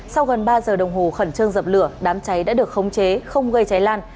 sau gần ba giờ đồng hồ khẩn trương dập lửa đám cháy đã được khống chế không gây cháy lan